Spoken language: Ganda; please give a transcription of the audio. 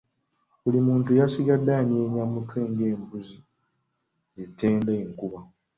Buli muntu yasigadde anyeenya mutwe ng’embuzi etenda enkuba.